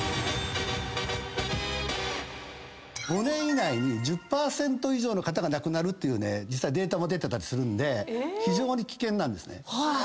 ５年以内に１０％以上の方が亡くなるってデータも出てるんで非常に危険なんですね。